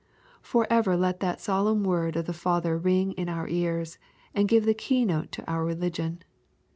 Forever let that solemn word of the Father ring in our ears, and give the key note to our religion.